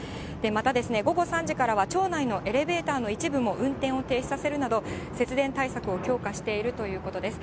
また、午後３時からは庁内のエレベーターの一部も運転を停止させるなど、節電対策を強化しているということです。